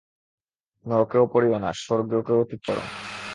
নরকেও পড়িও না, স্বর্গকেও তুচ্ছ কর।